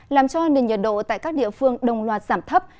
làm cho nền nhiệt độ tại các địa phương đồng loạt giảm thấp